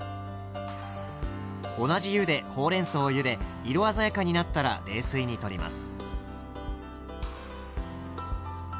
同じ湯でほうれんそうをゆで色鮮やかになったら冷水にとります。